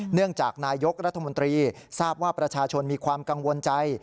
เนื่องจากนายกรัฐมนตรีทราบว่าประชาชนมีความกังวลใจ